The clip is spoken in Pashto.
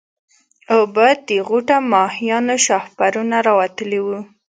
اوبه د غوټه ماهيانو شاهپرونه راوتلي وو.